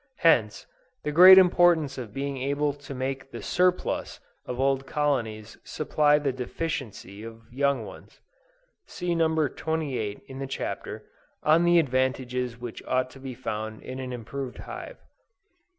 Hence, the great importance of being able to make the surplus of old colonies supply the deficiency of young ones. (See No. 28, in the Chapter "On the advantages which ought to be found in an Improved Hive.")